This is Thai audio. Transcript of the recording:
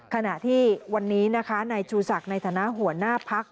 ขณะที่วันนี้นะคะนายชูศักดิ์ในฐานะหัวหน้าพัก